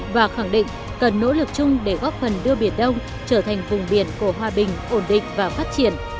và khẳng định cần nỗ lực chung để góp phần đưa biển đông trở thành vùng biển của hòa bình ổn định và phát triển